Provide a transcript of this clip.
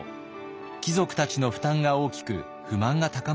貴族たちの負担が大きく不満が高まっていました。